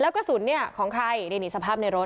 กระสุนเนี่ยของใครนี่สภาพในรถ